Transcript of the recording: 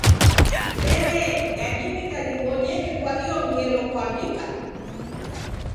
W'elee, yadimika ghibonyeke kwa iyo ngelo kwaw'ika?